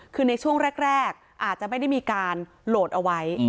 คือในช่วงแรกอาจจะไม่ได้มีการโหลดเอาไว้